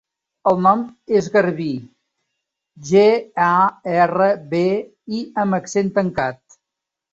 El nom és Garbí: ge, a, erra, be, i amb accent tancat.